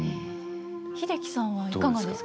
英樹さんはいかがですか？